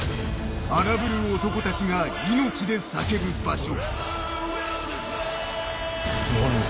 荒ぶる男たちが命で叫ぶ場所。